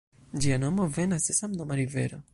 Ĝia nomo venas de samnoma rivero.